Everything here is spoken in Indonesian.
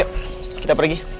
yuk kita pergi